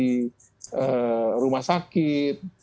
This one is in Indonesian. dari rumah sakit